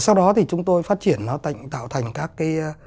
sau đó thì chúng tôi phát triển nó tạo thành các cái